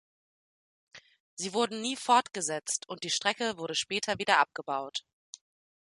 Sie wurden nie fortgesetzt und die Strecke wurde später wieder abgebaut.